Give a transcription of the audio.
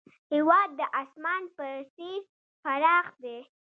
هېواد د اسمان په څېر پراخ دی.